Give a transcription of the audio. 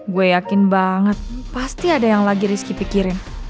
gue yakin banget pasti ada yang lagi rizky pikirin